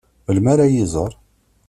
Melmi ad iyi-iẓeṛ?